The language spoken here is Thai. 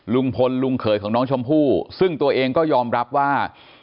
ลุงพลลุงเขยของน้องชมพู่ซึ่งตัวเองก็ยอมรับว่า